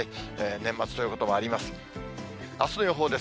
年末ということもあります。